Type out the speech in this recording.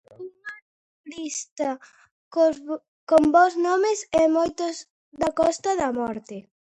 Unha lista con bos nomes, e moitos da Costa da Morte.